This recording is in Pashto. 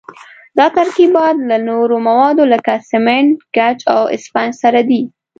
دا ترکیبات له نورو موادو لکه سمنټ، ګچ او اسفنج سره دي.